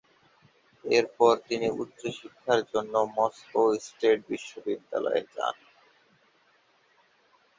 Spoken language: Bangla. এরপরে তিনি উচ্চ শিক্ষার জন্য মস্কো স্টেট বিশ্ববিদ্যালয়ে যান।